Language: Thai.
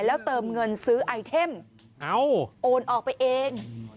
แล้วเติมเงินซื้อไอเทมโอนออกไปเอง